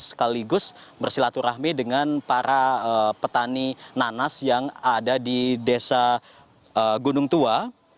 sekaligus bersilaturahmi dengan para petani nanas yang ada di desa gunung tua